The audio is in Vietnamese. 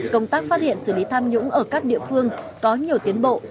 công tác phát hiện xử lý tham nhũng ở các địa phương có nhiều tiến bộ